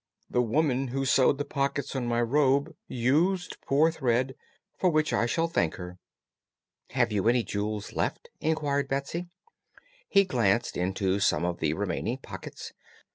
The woman who sewed the pockets on my robe used poor thread, for which I shall thank her." "Have you any jewels left?" inquired Betsy. He glanced into some of the remaining pockets.